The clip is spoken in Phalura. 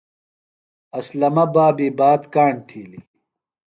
اسلمہ بابی بات کاݨ تِھیلیۡ۔